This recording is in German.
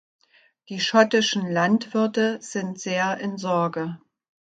Die schottischen Landwirte sind sehr in Sorge.